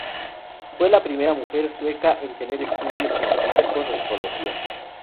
Fue la primera mujer sueca en tener estudios científicos en zoología.